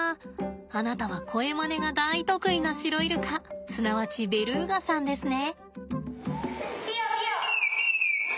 あなたは声まねが大得意なシロイルカすなわちベルーガさんですね。